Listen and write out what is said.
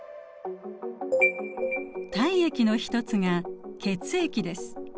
体液の一つが血液です。